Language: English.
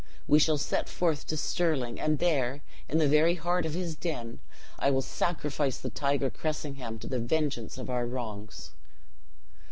We shall set forth to Stirling; and there, in the very heart of his den, I will sacrifice the tiger Cressingham, to the vengeance of our wrongs."